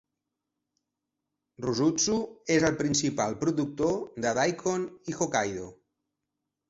Rusutsu es el principal productor de Daikon i Hokkaido.